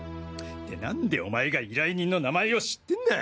てなんでお前が依頼人の名前を知ってんだ！